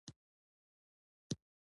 تیل باید له معياري ځایونو واخیستل شي.